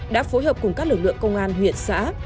đã phối hợp cùng các lực lượng công an huyện xã